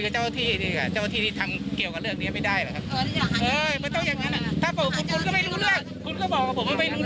ฉะนั้นผมไม่รับเรื่องแทนแล้วนะครับ